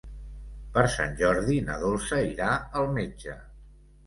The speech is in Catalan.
Per Sant Jordi na Dolça irà al metge.